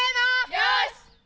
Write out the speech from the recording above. よし！